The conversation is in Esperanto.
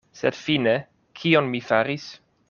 Sed fine kion mi faris?